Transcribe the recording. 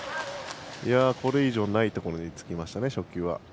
これ以上ないところにつけましたね、初球は。